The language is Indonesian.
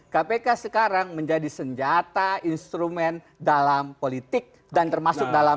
kpk sekarang menjadi senjata instrumen dalam politik dan termasuk dalam dua ribu dua puluh empat